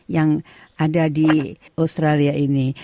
yang ada di australia ini